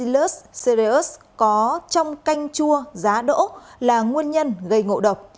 lus sirius có trong canh chua giá đỗ là nguồn nhân gây ngộ độc